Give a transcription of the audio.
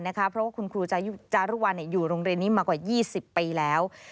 เพราะว่าคุณครูจารุวัลอยู่โรงเรียนนี้มากว่า๒๐ปีแล้ว